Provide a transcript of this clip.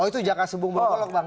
oh itu jakarta sebung bergolok bang